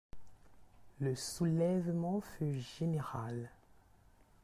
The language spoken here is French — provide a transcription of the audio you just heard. Le soulèvement fut général.